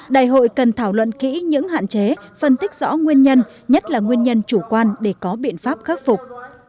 đại hội cần thảo luận kỹ những hạn chế phân tích rõ nguyên nhân nhất là nguyên nhân chủ quan để có biện pháp khắc phục